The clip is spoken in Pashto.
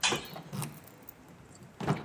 آيا پلرونه بايد د لوڼو ټول شکايتونه واوري؟